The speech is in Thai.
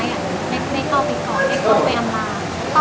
อยากให้ความสุขก็ออกไปก่อน